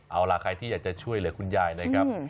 เอาล่ะใครที่อยากจะช่วยเหลือคุณยายนะครับ